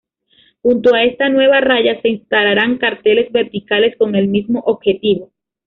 Junto a esta nueva raya se instalarán carteles verticales con el mismo objetivo.